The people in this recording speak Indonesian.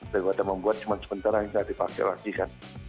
saya pada membuat cuma sebentar lagi tidak dipakai lagi kan